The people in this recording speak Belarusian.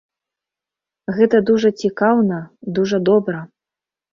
Гэта дужа цікаўна, дужа добра.